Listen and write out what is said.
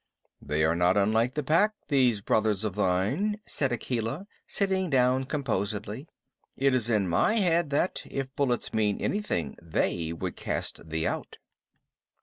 "They are not unlike the Pack, these brothers of thine," said Akela, sitting down composedly. "It is in my head that, if bullets mean anything, they would cast thee out."